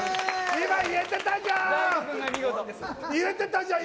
今、言えてたじゃん！